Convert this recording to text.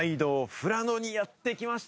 富良野にやってきました。